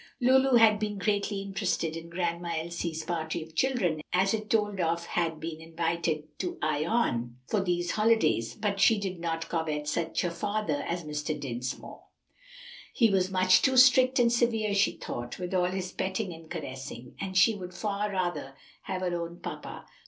Lulu had been greatly interested in Grandma Elsie's party of children as it told of had been invited to Ion for these holidays; but she did not covet such a father as Mr. Dinsmore; he was much too strict and severe, she thought, with all his petting and caressing, and she would far rather have her own papa.